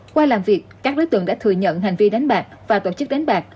qua làm việc các đối tượng đã thừa nhận hành vi đánh bạc và tổ chức đánh bạc